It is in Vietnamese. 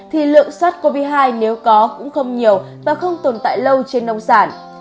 thì lượng sars cov hai nếu có cũng không nhiều và không tồn tại lâu trên nông sản